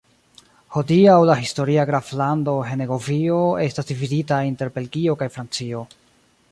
Hodiaŭ la historia graflando Henegovio estas dividita inter Belgio kaj Francio.